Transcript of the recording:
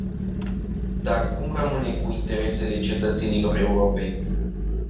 Dar cum rămâne cu interesele cetățenilor europeni?